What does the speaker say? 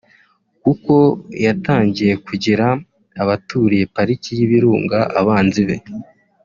kuko yatangiye kugira abaturiye Pariki y’Ibirunga abanzi be